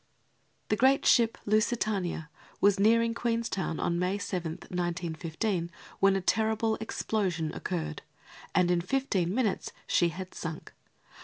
_ The great ship Lusitania was nearing Queenstown on May 7th, 1915, when a terrible explosion occurred, and in fifteen minutes she had sunk.